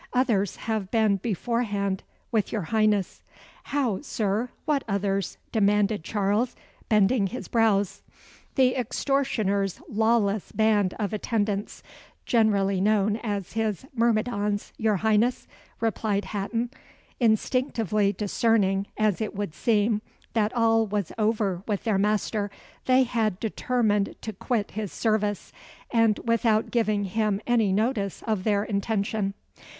"Others have been beforehand with your Highness." "How, Sir what others?" demanded Charles, bending his brows. "The extortioner's lawless band of attendants generally known as his myrmidons, your Highness," replied Hatton. "Instinctively discerning, as it would seem, that all was over with their master, they had determined to quit his service, and without giving him any notice of their intention.